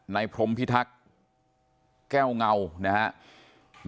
ในพรมพิทักษ์แก้วเงานะฮะ